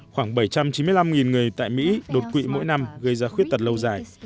khoảng bảy trăm chín mươi năm người tại mỹ đột quỵ mỗi năm gây ra khuyết tật lâu dài